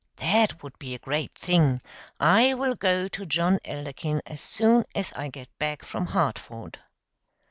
That would be a great thing; I will go to John Elderkin as soon as I get back from Hartford."